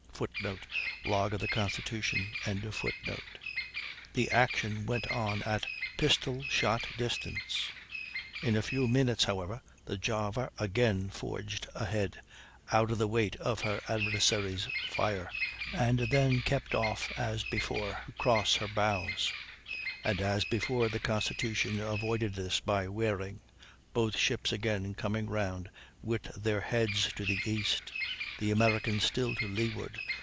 [Footnote: Log of the Constitution.] The action went on at pistol shot distance. In a few minutes, however, the Java again forged ahead, out of the weight of her adversary's fire, and then kept off, as before, to cross her bows; and, as before, the Constitution avoided this by wearing, both ships again coming round with their heads to the east, the American still to leeward.